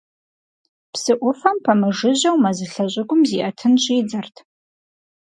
Псы ӏуфэм пэмыжыжьэу мэзылъэ щӏыгум зиӏэтын щӏидзэрт.